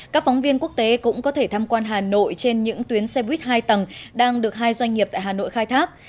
các phóng viên quốc tế cũng có thể tham quan hà nội trên những tuyến xe buýt hai tầng đang được hai doanh nghiệp tại hà nội khai thác